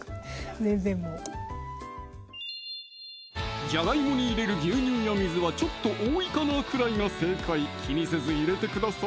全然もうじゃがいもに入れる牛乳や水はちょっと多いかなくらいが正解気にせず入れてください